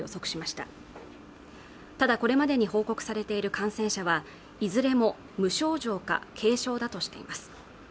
ただこれまでに報告されている感染者はいずれも無症状か軽症だとしています